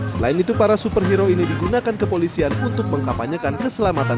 selain itu para superhero ini juga berkata